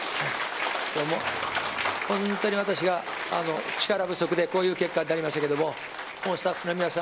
本当に私が力不足でこういう結果になりましたけれどもスタッフの皆さん